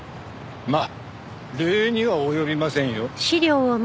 まあ礼には及びませんよ。